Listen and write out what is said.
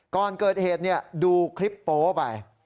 ก่อนเกิดเหตุดูคลิปโป๊ไป